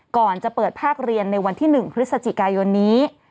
ก่อนจะเปิดภาคเรียนในวันที่๑พฤศจิกายนนี้